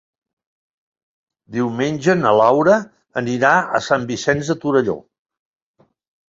Diumenge na Laura anirà a Sant Vicenç de Torelló.